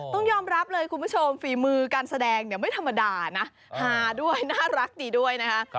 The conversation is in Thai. ต้องยอมรับเลยคุณผู้ชมฝีมือการแสดงเนี่ยไม่ธรรมดานะฮาด้วยน่ารักดีด้วยนะคะ